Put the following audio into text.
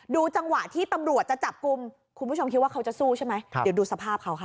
จังหวะที่ตำรวจจะจับกลุ่มคุณผู้ชมคิดว่าเขาจะสู้ใช่ไหมเดี๋ยวดูสภาพเขาค่ะ